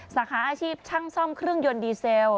สาขาอาชีพช่างซ่อมเครื่องยนต์ดีเซล